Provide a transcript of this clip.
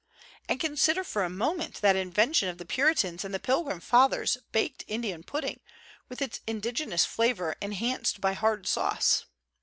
And consider for a mo ment that invention of the Puritans and the Pilgrim Fathers, baked Indian pudding, with its indigenous flavor enhanced by hard sauce.